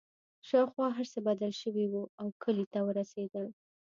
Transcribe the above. شاوخوا هرڅه بدل شوي وو او کلي ته ورسېدل